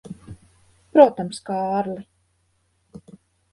Protams, Kārli.